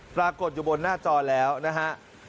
ปรากฏอยู่บนหน้าจอแล้วนะฮะ